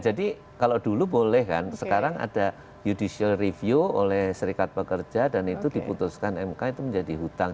jadi kalau dulu boleh kan sekarang ada judicial review oleh serikat pekerja dan itu diputuskan mk itu menjadi hutang